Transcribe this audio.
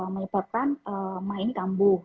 menyebabkan mah ini tambuh